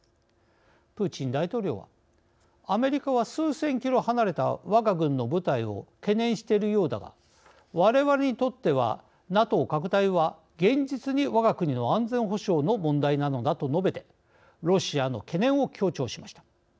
プーチン大統領は「アメリカは数千キロ離れたわが軍の部隊を懸念しているようだがわれわれにとってはＮＡＴＯ拡大は、現実にわが国の安全保障の問題なのだ」と述べてロシアの懸念を強調しました。